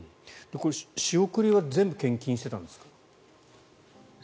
仕送りは全部献金していたんですか？